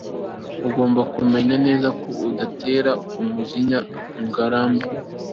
ugomba kumenya neza ko udatera umujinya ngarambe